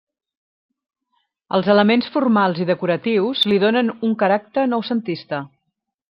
Els elements formals i decoratius li donen un caràcter noucentista.